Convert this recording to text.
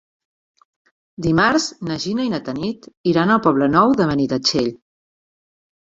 Dimarts na Gina i na Tanit iran al Poble Nou de Benitatxell.